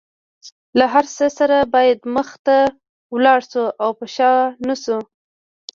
له هر څه سره باید مخ ته لاړ شو او په شا نشو.